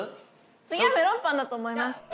次はメロンパンだと思います。